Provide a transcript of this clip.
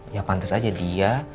ya pantas aja dia